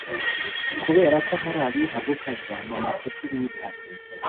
Kubera ko hari abiha gukabya mu mafuti bita